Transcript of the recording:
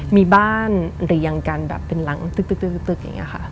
มีบ้านเรียงกันแบบเป็นหลังตึกอย่างนี้ค่ะ